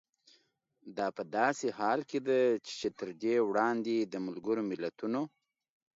دا په داسې حال کې ده چې تر دې وړاندې د ملګرو ملتونو